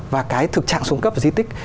và cái thực trạng súng cấp di tích